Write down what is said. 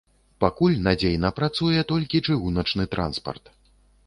Пакуль надзейна працуе толькі чыгуначны транспарт.